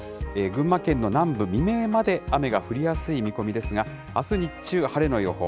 群馬県の南部、未明まで雨が降りやすい見込みですが、あす日中、晴れの予報。